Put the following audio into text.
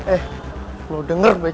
eh lo denger baik baik